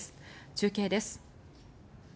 中継です。